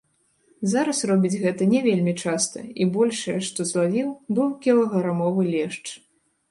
Зараз робіць гэта не вельмі часта і большае, што злавіў, быў кілаграмовы лешч.